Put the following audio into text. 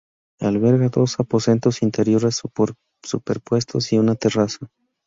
Alberga dos aposentos interiores superpuestos y una terraza.